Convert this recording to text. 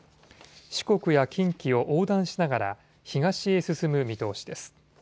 四国や近畿を横断しながら東へ進む見通しです。